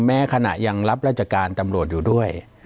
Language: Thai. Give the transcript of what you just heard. แม้ขณะยังรับราชการตำรวจอยู่ด้วย